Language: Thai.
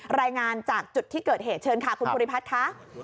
รายงานจากจุดที่เกิดเหตุเชิญค่ะคุณภูริพัฒน์ค่ะ